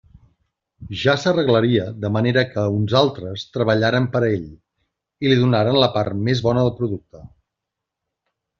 Ja s'arreglaria de manera que uns altres treballaren per a ell, i li donaren la part més bona del producte.